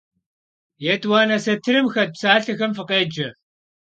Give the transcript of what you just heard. Yêt'uane satırım xet psalhexem fıkhêce.